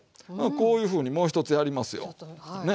こういうふうにもう一つやりますよね。